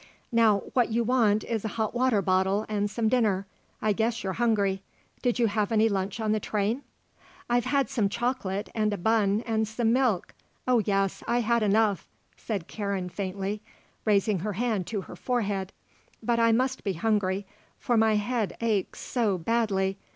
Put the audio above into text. "Now what you want is a hot water bottle and some dinner. I guess you're hungry. Did you have any lunch on the train?" "I've had some chocolate and a bun and some milk, oh yes, I had enough," said Karen faintly, raising her hand to her forehead; "but I must be hungry; for my head aches so badly.